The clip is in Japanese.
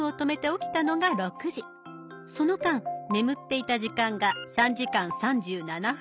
その間眠っていた時間が３時間３７分。